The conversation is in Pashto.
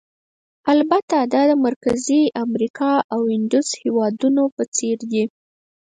البته دا د مرکزي امریکا او اندوس هېوادونو په څېر دي.